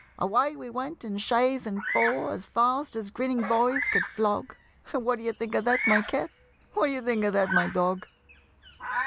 Away we went in chaise and four, As fast as grinning boys could flog What d'ye think of that, my Cat? What d'ye think of that, my Dog?